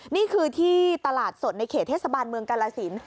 นี่คือที่ตลาดสดในเขตเทศบาลเมืองกาลสิน